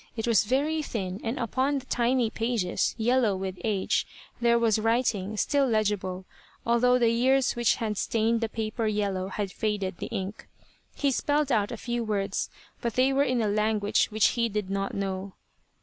It was very thin, and upon the tiny pages, yellow with age, there was writing, still legible, although the years which had stained the paper yellow had faded the ink. He spelled out a few words, but they were in a language which he did not know.